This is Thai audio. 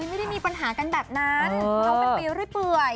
ไม่ได้มีปัญหากันแบบนั้นเขาเป็นเปรียบด้วยเปลือย